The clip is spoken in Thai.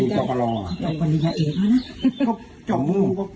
ยังไงครับอ๋ออ๋ออ๋ออ๋อ